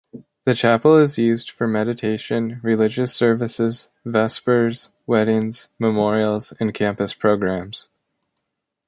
The chapel is used for meditation, religious services, vespers, weddings, memorials and campus programs.